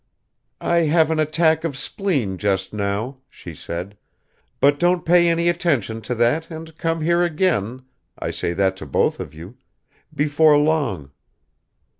"I have an attack of spleen just now," she said, "but don't pay any attention to that, and come here again I say that to both of you before long."